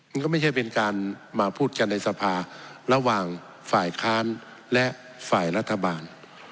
มันก็ไม่ใช่เป็นการมาพูดกันในสภาระหว่างฝ่ายค้านและฝ่ายรัฐบาล